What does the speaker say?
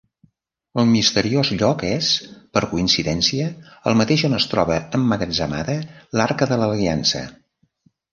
El misteriós lloc és, per coincidència, el mateix on es troba emmagatzemada l'Arca de l'Aliança.